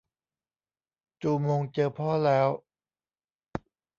จูมงเจอพ่อแล้ว